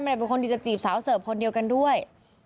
เป็นคนที่จะจีบสาวเสิร์ฟคนเดียวกันด้วย